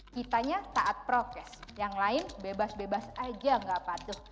kitanya taat prokes yang lain bebas bebas aja gak patuh